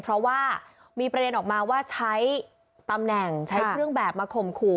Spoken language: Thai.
เพราะว่ามีประเด็นออกมาว่าใช้ตำแหน่งใช้เครื่องแบบมาข่มขู่